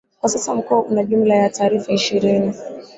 Kwa sasa Mkoa una jumla ya Tarafa ishirini